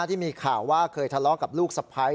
ที่มีข่าวว่าเคยทะเลาะกับลูกสะพ้าย